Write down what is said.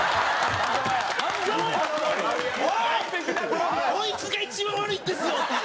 こいつが一番悪いんですよ！